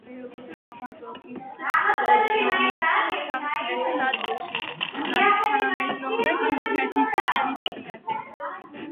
თემი მდებარეობს კაპადოკიის რეგიონის სამხრეთ ნაწილში, თანამედროვე თურქეთის ტერიტორიაზე.